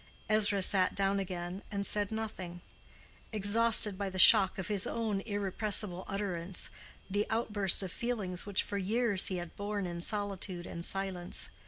Ezra sat down again and said nothing—exhausted by the shock of his own irrepressible utterance, the outburst of feelings which for years he had borne in solitude and silence.